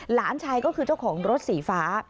หลานชายก็คือเจ้าของรถสีฟ้า